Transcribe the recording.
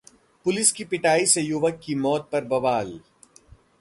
police की पिटाई से युवक की मौत पर बवाल